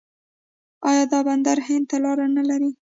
آیا دا بندر هند ته لاره نلري؟